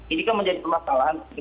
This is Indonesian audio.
ini kan menjadi permasalahan